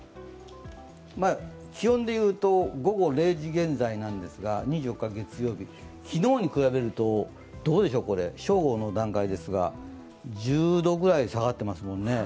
気温で言うと午後０時現在なんですが、２４日月曜日、昨日に比べると正午の段階ですが１０度くらい下がってますもんね。